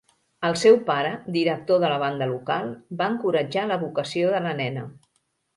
El seu pare, director de la banda local, va encoratjar la vocació de la nena.